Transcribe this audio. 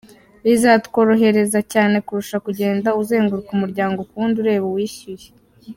Bizatworohereza cyane kurusha kugenda uzenguruka umuryango ku wundi ureba uwishyuye.